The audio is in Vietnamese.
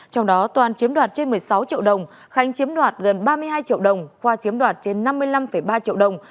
trong đó toàn chiếm đoạt trên một mươi sáu triệu đồng khánh chiếm đoạt gần ba mươi hai triệu đồng khoa chiếm đoạt trên năm mươi năm ba triệu đồng